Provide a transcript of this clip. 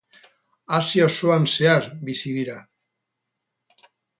Asia osoan zehar bizi dira.